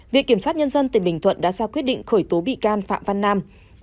vị kiểm soát nhân dân tỉnh bình thuận đã ra quyết định khởi tố bị can phạm văn nam